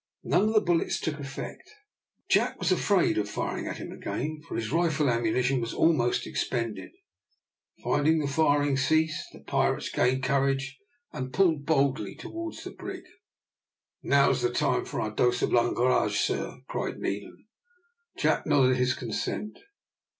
None of the bullets took effect. Jack was afraid of firing at him again, for his rifle ammunition was almost expended. Finding the firing cease, the pirates gained courage and pulled boldly towards the brig. "Now's the time for our dose of langrage, sir," cried Needham. Jack nodded his consent.